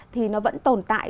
thì nó vẫn tồn tại